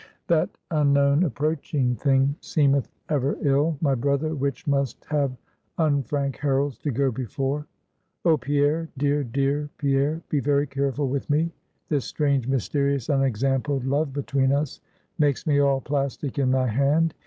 "That unknown, approaching thing, seemeth ever ill, my brother, which must have unfrank heralds to go before. Oh, Pierre, dear, dear Pierre; be very careful with me! This strange, mysterious, unexampled love between us, makes me all plastic in thy hand.